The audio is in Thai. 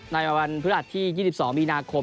ในวันพฤหัสที่๒๒มีนาคม